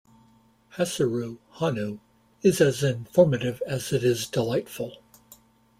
"Hasiru honnu" is as informative as it is delightful.